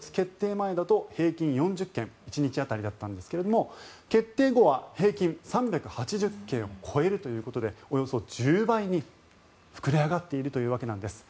前だと平均４０件１日当たりだったんですが決定後は平均３８０件を超えるということでおよそ１０倍に膨れ上がっているというわけなんです。